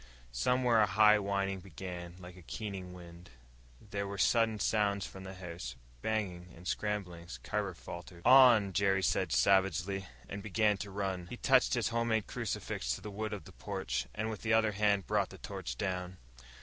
Somewhere a high whining began, like a keening wind. There were sudden sounds from the house bangings and scramblings. Carver faltered. "On!" Jerry said savagely, and began to run. He touched his home made crucifix to the wood of the porch, and with the other hand brought the torch down.